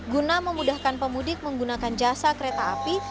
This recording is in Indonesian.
guna memudahkan pemudik menggunakan jasa kereta api